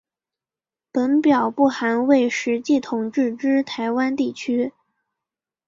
本表不含未实际统治之台湾地区。